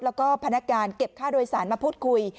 แล้วก็พนักการเก็บค่าโดยสารมาพูดคุย